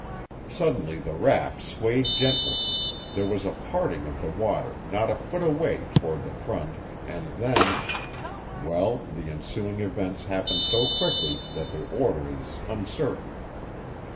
Suddenly the raft swayed gently; there was a parting of the water not a foot away toward the front, and then well, the ensuing events happened so quickly that their order is uncertain.